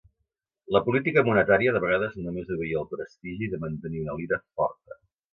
La política monetària de vegades només obeïa al prestigi de mantenir una lira forta.